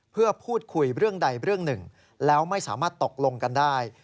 เพื่อพูดคุยเรื่องใดเรื่องหนึ่งแล้วไม่สามารถตกลงกันได้